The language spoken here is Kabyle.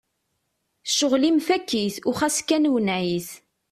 Cɣel-im fak-it u xas kan wenneɛ-it!